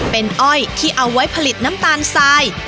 เป็นอ้อยที่เอาไว้ผลิตน้ำตาลทราย